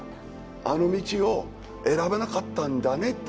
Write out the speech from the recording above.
あの道を選ばなかったんだねって